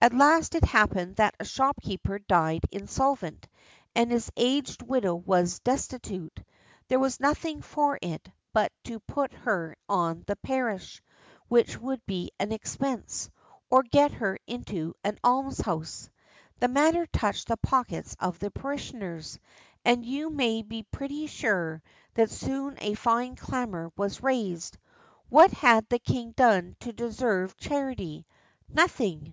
At last it happened that a shopkeeper died insolvent, and his aged widow was destitute. There was nothing for it but to put her on the parish, which would be an expense, or get her into an almshouse. The matter touched the pockets of the parishioners, and you may be pretty sure that soon a fine clamour was raised. What had the king done to deserve charity? Nothing.